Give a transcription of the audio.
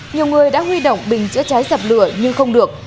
nhiều người đã huy động bình chữa cháy dập lửa nhưng không được